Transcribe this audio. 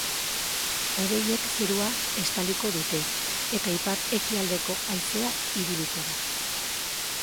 Hodeiek zerua estaliko dute, eta ipar-ekialdeko haizea ibiliko da.